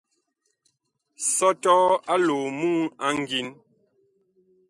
Sɔtɔɔ aloo muŋ a ngin.